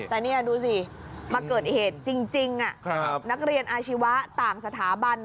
แต่นี่ดูสิมาเกิดเหตุจริงนักเรียนอาชีวะต่างสถาบัน